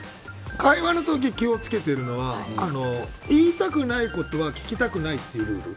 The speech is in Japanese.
会話の時、気を付けてるのは言いたくないことは聞きたくないっていうルール。